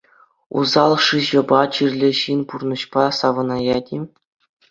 Усал шыҫӑпа чирлӗ ҫын пурнӑҫпа савӑнаять-и?